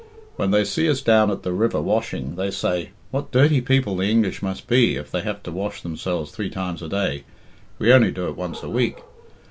When they see us down at the river washing, they say, 'What dirty people the English must be if they have to wash themselves three times a day we only do it once a week.'